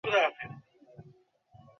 তুমি মিটিং করছ!